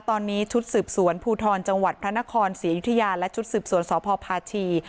ตอนนี้ชุดสืบสวนภูทรจังหวัดพระนครศรีอยุธยาและชุดสืบสวนสพพาชี